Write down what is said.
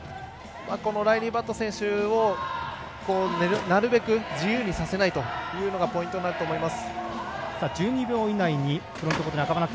ライリー・バット選手をなるべく自由にさせないというのがポイントになると思います。